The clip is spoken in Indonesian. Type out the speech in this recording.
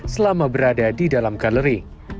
selama berada di dalam galeri